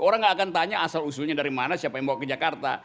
orang nggak akan tanya asal usulnya dari mana siapa yang bawa ke jakarta